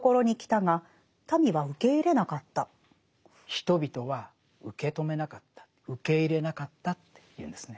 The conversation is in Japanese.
人々は受け止めなかった受け入れなかったっていうんですね。